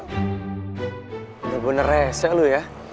udah gue neresek lo ya